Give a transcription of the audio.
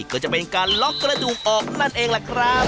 ก็จะเป็นการล็อกกระดูกออกนั่นเองล่ะครับ